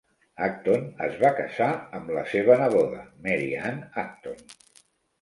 Acton es va casar amb la seva neboda Mary Anne Acton.